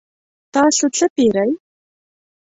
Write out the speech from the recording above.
تاسو څه پیرئ؟